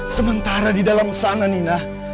sementara di dalam sana ninah